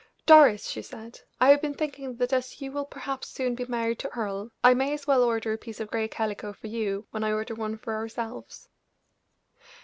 "Doris," she said, "I have been thinking that as you will perhaps soon be married to Earle, I may as well order a piece of gray calico for you when I order one for ourselves."